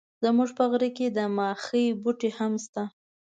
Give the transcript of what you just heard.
زموږ په غره کي د ماخۍ بوټي هم سته.